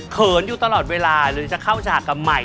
เขินอยู่ตลอดเวลาหรือจะเข้าฉากำใหม่